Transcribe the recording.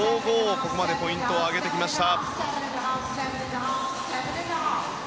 ここまでポイントを上げてきました。